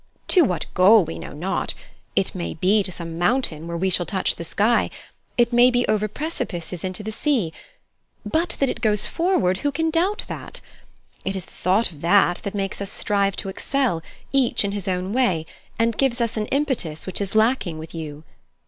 To what goal we know not it may be to some mountain where we shall touch the sky, it may be over precipices into the sea. But that it goes forward who can doubt that? It is the thought of that that makes us strive to excel, each in his own way, and gives us an impetus which is lacking with you.